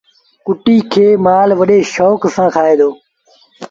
ڪُٽي کي مآل وڏي شوڪ سآݩ کآئي دو۔